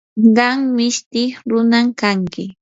qam mishti runam kanki.